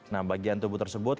nah bagian tubuh tersebut